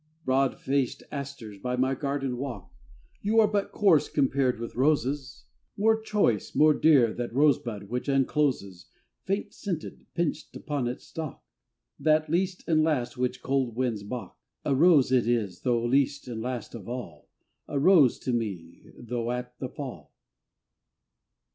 Broad faced asters by my garden walk, You are but coarse compared with roses; More choice, more dear that rosebud which uncloses FROM QUEENS' GARDENS Faint scented, pinched, upon its stalk, That least and last which cold winds balk; A rose it is though least and last of all, A rose to me though at the fall.